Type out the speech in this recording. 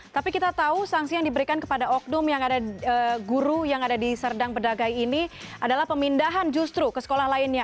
tapi kita tahu sanksi yang diberikan kepada oknum yang ada guru yang ada di serdang bedagai ini adalah pemindahan justru ke sekolah lainnya